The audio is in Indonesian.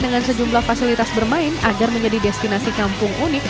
dengan sejumlah fasilitas bermain agar menjadi destinasi kampung unik